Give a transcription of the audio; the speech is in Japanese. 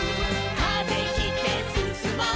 「風切ってすすもう」